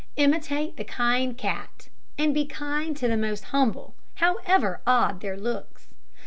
Imitate the kind cat, and be kind to the most humble, however odd their looks.